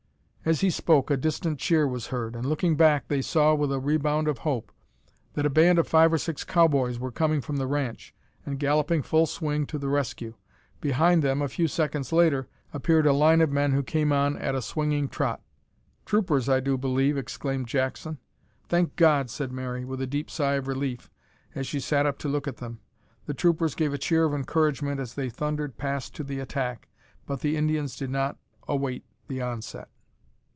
As he spoke a distant cheer was heard, and, looking back, they saw, with a rebound of hope, that a band of five or six cow boys were coming from the ranch and galloping full swing to the rescue. Behind them, a few seconds later, appeared a line of men who came on at a swinging trot. "Troopers, I do believe!" exclaimed Jackson. "Thank God!" said Mary, with a deep sigh of relief as she sat up to look at them. The troopers gave a cheer of encouragement as they thundered past to the attack, but the Indians did not await the onset.